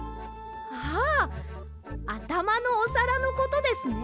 あああたまのおさらのことですね。